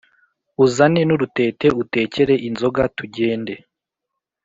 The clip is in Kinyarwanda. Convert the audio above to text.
uzane n’urutete utekere inzoga tugende,